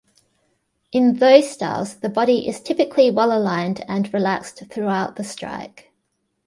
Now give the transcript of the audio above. In those styles, the body is typically well aligned and relaxed throughout the strike.